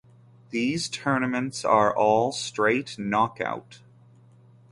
These tournaments are all straight knockout.